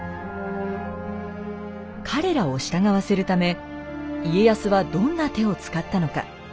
彼らを従わせるため家康はどんな手を使ったのか。